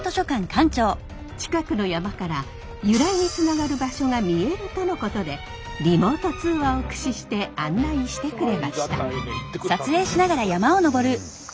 近くの山から由来につながる場所が見えるとのことでリモート通話を駆使して案内してくれました。